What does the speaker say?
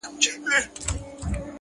د حقیقت منکر حقیقت نه بدلوي,